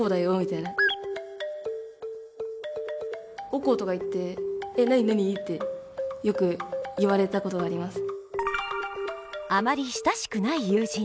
「おこ」とか言って「え？なになに？」ってよく言われた事があります。